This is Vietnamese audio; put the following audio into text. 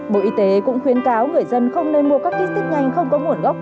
bộ y tế cũng khuyến cáo người dân không nên mua các kích thích nhanh không có nguồn gốc